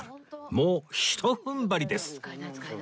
もうひと踏ん張りです！